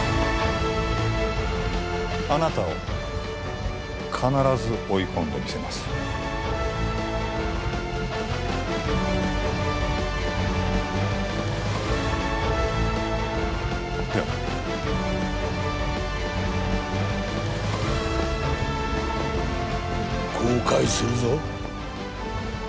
あなたを必ず追い込んでみせますでは後悔するぞ